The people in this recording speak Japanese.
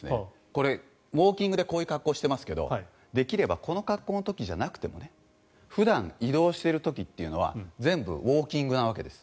これ、ウォーキングでこういう格好をしてますけどできればこの格好の時じゃなくても普段、移動している時というのは全部、ウォーキングなわけです。